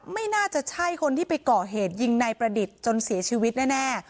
ไม่น่าจะใช่คนที่ไปก่อเหตุยิงนายประดิษฐ์จนเสียชีวิตแน่